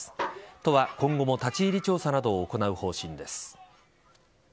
都は、今後も立ち入り調査などを行う方針です。